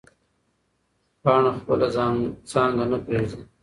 پاڼه خپله څانګه نه پرېږدي.